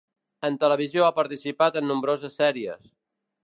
En televisió ha participat en nombroses sèries.